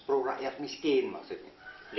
pro rakyat miskin maksudnya